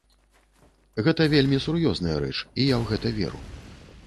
Гэта вельмі сур'ёзная рэч, і я ў гэта веру.